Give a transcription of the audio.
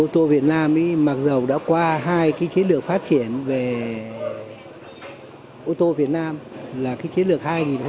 ô tô việt nam mặc dù đã qua hai cái chế lược phát triển về ô tô việt nam là cái chế lược hai nghìn hai